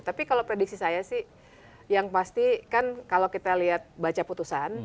tapi kalau prediksi saya sih yang pasti kan kalau kita lihat baca putusan